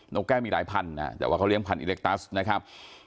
กแก้มีหลายพันธุ์แต่ว่าเขาเลี้ยพันธิเล็กตัสนะครับ